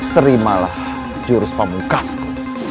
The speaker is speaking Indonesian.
terimalah jurus pamukasku